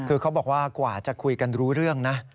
คือเขาบอกว่ากว่าจะคุยกันรู้เรื่องนะ